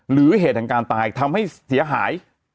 หรือเหตุทางการตายทำให้เสียหาย